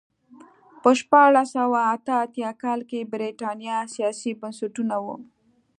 په شپاړس سوه اته اتیا کال کې برېټانیا سیاسي بنسټونه وو.